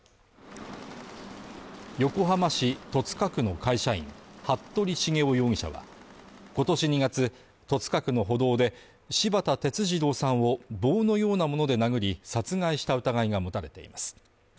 横浜市戸塚区の会社員服部繁雄容疑者は、今年２月戸塚区の歩道で柴田哲二郎さんを棒のようなもので殴り殺害した疑いが持たれています。